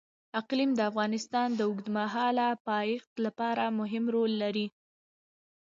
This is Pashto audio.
اقلیم د افغانستان د اوږدمهاله پایښت لپاره مهم رول لري.